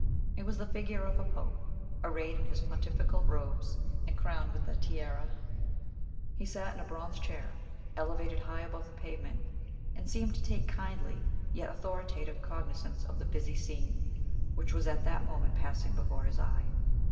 It was the figure of a pope, arrayed in his pontifical robes, and crowned with the tiara. He sat in a bronze chair, elevated high above the pavement, and seemed to take kindly yet authoritative cognizance of the busy scene which was at that moment passing before his eye.